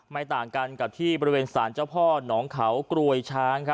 ต่างกันกับที่บริเวณสารเจ้าพ่อหนองเขากรวยช้าง